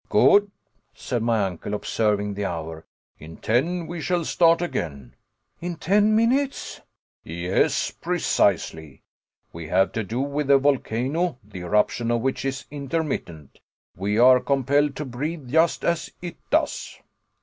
"Good," said my uncle, observing the hour, "in ten we shall start again." "In ten minutes?" "Yes precisely. We have to do with a volcano, the eruption of which is intermittent. We are compelled to breathe just as it does."